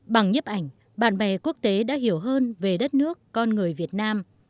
bằng nhếp ảnh bạn bè quốc tế đã hiểu hơn về đất nước con người việt nam